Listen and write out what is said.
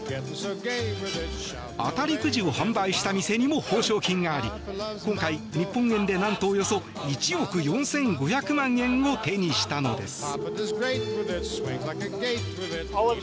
当たりくじを販売した店にも報奨金があり今回、日本円でなんとおよそ１億４５００万円を手にしたのです。